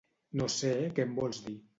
No sé què em vols dir.